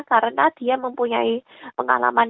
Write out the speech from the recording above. karena dia mempunyai pengalaman